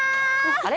あれ？